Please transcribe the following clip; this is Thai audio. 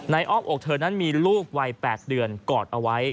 อ้อมอกเธอนั้นมีลูกวัย๘เดือนกอดเอาไว้